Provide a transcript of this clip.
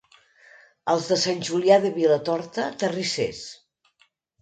Els de Sant Julià de Vilatorta, terrissers.